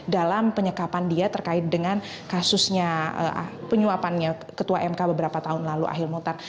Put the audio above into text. dalam penyekapan dia terkait dengan kasusnya penyuapannya ketua mk beberapa tahun lalu ahil muhtar